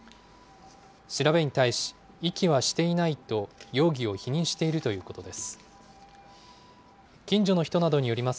調べに対し、遺棄はしていないと、容疑を否認しているということです。